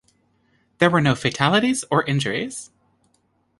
There were no fatalities or injuries.